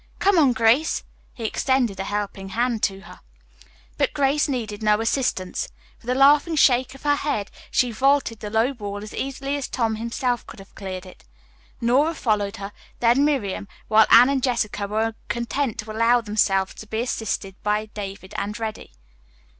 "Come on, Grace." He extended a helping hand to her. But Grace needed no assistance. With a laughing shake of her head she vaulted the low wall as easily as Tom himself could have cleared it. Nora followed her, then Miriam, while Anne and Jessica were content to allow themselves to be assisted by David and Reddy.